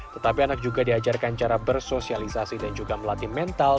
tetapi anak juga diajarkan cara bersosialisasi dan juga melatih mental